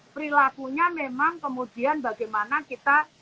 perilakunya memang kemudian bagaimana kita